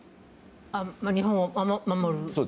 日本を守る。